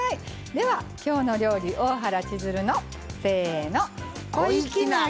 では「きょうの料理」大原千鶴のせの！